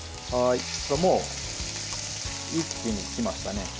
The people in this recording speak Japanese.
もう一気にきましたね。